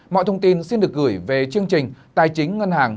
mọi thông tin xin được gửi về chương trình tài chính ngân hàng